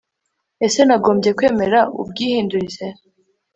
Ese nagombye kwemera ubwihindurize